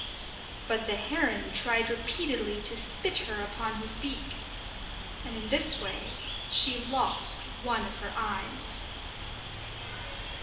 But the heron tried repeatedly to spit her upon his beak, and in this way she lost one of her eyes.